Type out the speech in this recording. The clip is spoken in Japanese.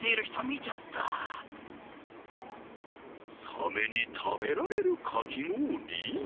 サメに食べられるかき氷？